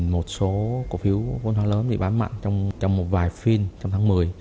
một số cổ phiếu vốn hóa lớn bán mạnh trong một vài phim trong tháng một mươi